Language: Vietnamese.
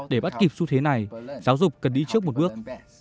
để bắt kịp xu thế này giáo dục cần đi trước một bước